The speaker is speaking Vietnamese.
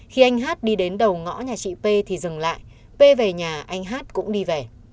khi anh hát đi đến đầu ngõ nhà chị p thì dừng lại p về nhà anh hát cũng đi về